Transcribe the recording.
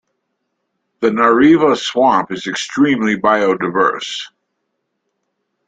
The Nariva Swamp is extremely biodiverse.